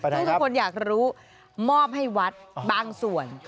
ที่ทุกคนอยากรู้มอบให้วัดบางส่วน